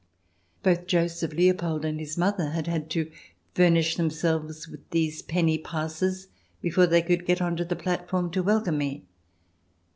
Both Joseph Leopold and his mother had had to furnish themselves with these penny passes before they could get on to the platform to welcome me.